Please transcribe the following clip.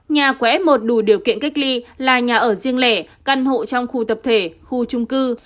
nhà của f một đủ điều kiện cách ly là nhà ở riêng lẻ căn hộ trong khu tập thể khu trung cư